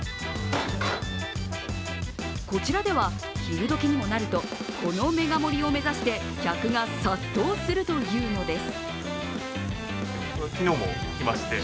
こちらでは、昼どきにもなると、このメガ盛りを目指して客が殺到するというのです。